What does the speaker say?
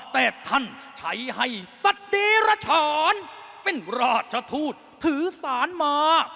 แต่ท่านใช้ให้สดีรชรเป็นราชทูตถือสารมา